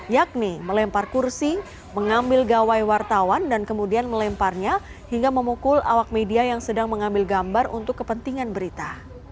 yakni melempar kursi mengambil gawai wartawan dan kemudian melemparnya hingga memukul awak media yang sedang mengambil gambar untuk kepentingan berita